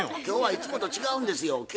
今日はいつもと違うんですよ。